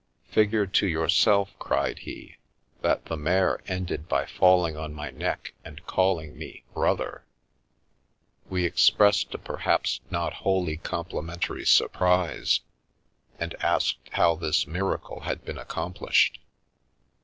44 Figure to yourself," cried he, " that the mayor ended by falling on my neck and calling me ' brother ' I " We expressed a perhaps not wholly complimentary surprise, and asked how this miracle had been accom plished.